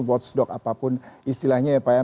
watchdog apapun istilahnya ya pak ya